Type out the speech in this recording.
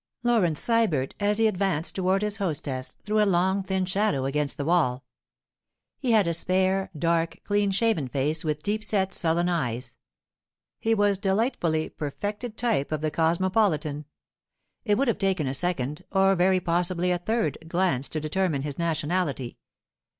Laurence Sybert, as he advanced toward his hostess, threw a long thin shadow against the wall. He had a spare, dark, clean shaven face with deep set, sullen eyes; he was a delightfully perfected type of the cosmopolitan; it would have taken a second, or very possibly a third, glance to determine his nationality.